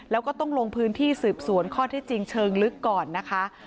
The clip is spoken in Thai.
แล้วก็ต้องลงพื้นที่สืบสวนข้อที่จริงเชิงลึกก่อนนะคะ